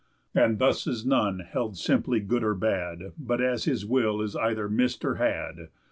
And thus is none held simply good or bad, But as his will is either miss'd or had.